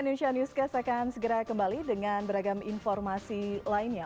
cnn indonesia newscast akan segera kembali dengan beragam informasi lainnya